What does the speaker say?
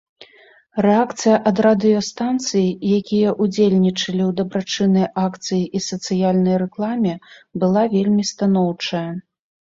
Рэакцыя ад радыёстанцый, якія ўдзельнічалі ў дабрачыннай акцыі і сацыяльнай рэкламе, была вельмі станоўчая.